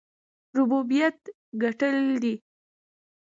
ربوبیت ګټل دی.